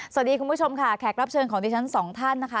คุณผู้ชมค่ะแขกรับเชิญของดิฉันสองท่านนะคะ